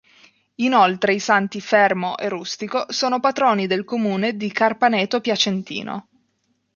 Inoltre i santi Fermo e Rustico sono patroni del comune di Carpaneto Piacentino.